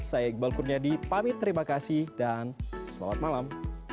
saya iqbal kurniadi pamit terima kasih dan selamat malam